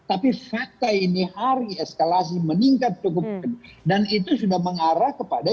tapi fakta ini hari eskalasi meningkat cukup dan itu sudah mengarah kepada